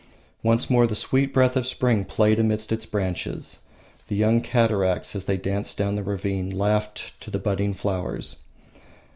Once more the sweet breath of spring played amidst its branches. The young cataracts, as they danced down the ravine, laughed to the budding flowers.